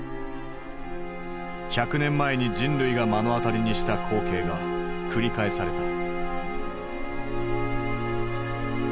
１００年前に人類が目の当たりにした光景が繰り返された。